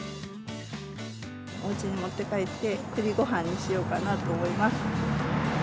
おうちに持って帰って、くりごはんにしようかなと思います。